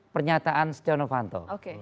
pernyataan setiawana panto